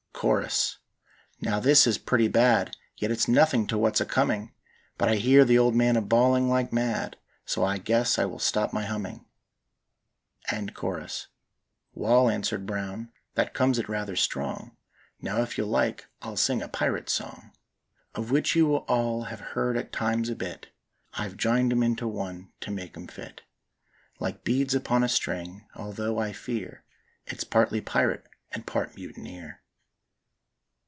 '" Chorus. Now this is pretty bad, Yet it's nothin' to what's a coming; But I hear the old man a bawlin' like mad, So I guess I will stop my humming. "Wal," answered Brown, "that comes it rather strong. Now if you like I'll sing a pirate's song Of which you all have heard at times a bit; I've jined 'em into one to make 'em fit, Like beads upon a string, altho' I fear It's partly pirate and part mutineer."